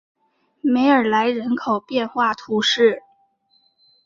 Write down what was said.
梅尔莱人口变化图示